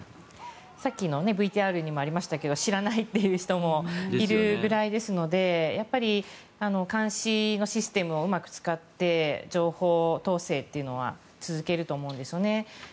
さっきのＶＴＲにもありましたけど知らないという人もいるぐらいですので監視のシステムをうまく使って情報統制というのは続けると思うんですよね。